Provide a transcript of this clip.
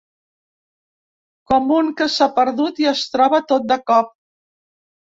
Com un que s’ha perdut i es troba tot de cop.